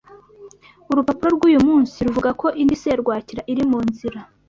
Urupapuro rwuyu munsi ruvuga ko indi serwakira iri mu nzira.